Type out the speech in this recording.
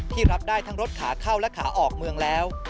รับได้ทั้งรถขาเข้าและขาออกเมืองแล้ว